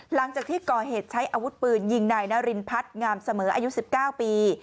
หลังจากที่ก่อเหตุใช้อาวุธปืนยิงนายนารินพัฒน์งามเสมออายุ๑๙ปี